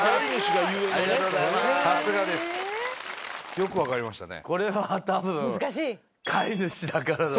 よく分かりましたね。